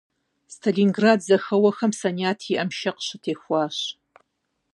Сталинград зэхэуэхэм Саният и ӏэм шэ къыщытехуащ.